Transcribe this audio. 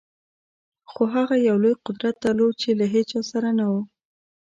خو هغه یو لوی قدرت درلود چې له هېچا سره نه و